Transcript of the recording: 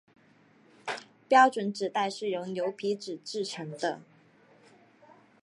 标准纸袋是由牛皮纸制成的。